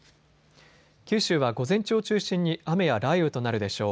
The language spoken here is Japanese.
九州は午前中を中心に雨や雷雨となるでしょう。